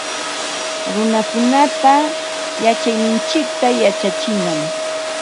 Runakunata yachayninchikta yachachinam